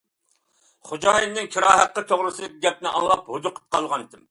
خوجايىننىڭ كىرا ھەققى توغرىسىدىكى گەپنى ئاڭلاپ ھودۇقۇپ قالغانىدىم.